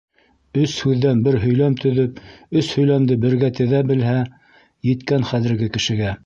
Өс һүҙҙән бер һөйләм төҙөп, өс һөйләмде бергә теҙә белһә, еткән хәҙерге кешегә.